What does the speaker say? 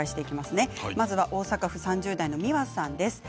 まずは大阪府３０代の方です。